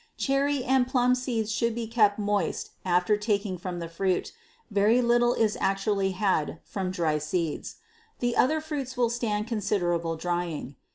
Cherry and plum seeds should be kept moist after taking from the fruit; very little is usually had from dry seeds. The other fruits will stand considerable drying.